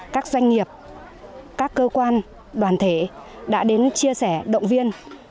các doanh nghiệp các cơ quan đoàn thể đã đến chia sẻ động viên